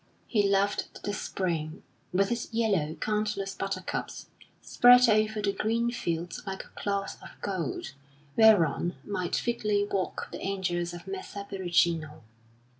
He loved the spring, with its yellow, countless buttercups, spread over the green fields like a cloth of gold, whereon might fitly walk the angels of Messer Perugino.